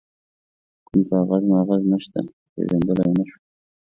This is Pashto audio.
کوم کاغذ ماغذ نشته، پيژندلای يې نه شو.